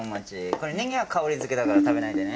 これネギは香りづけだから食べないでね。